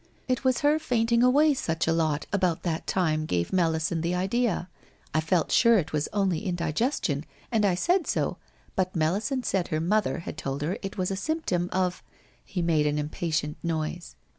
It was her fainting away such a lot about that time gave Melisande the idea. I felt sure it was only indigestion, and I said so, but Melisande said her mother had told her it was a symptom of ' He made an impatient noise.